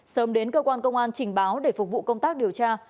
sớm đến cơ quan công an trình báo để phục vụ công tác điều tra